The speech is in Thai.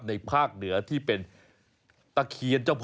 ภาคเหนือที่เป็นตะเคียนเจ้าพ่อ